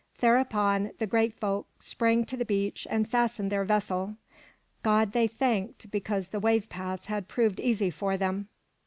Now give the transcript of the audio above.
Thereupon the Geat folk sprang to the beach and fastened their vessel. God they thanked because the wave paths had proved easy for them.